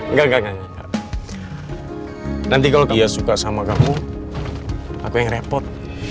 nggak nggak nggak nanti kalau dia suka sama kamu aku yang repot